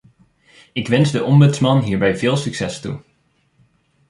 Ik wens de ombudsman hierbij veel succes toe.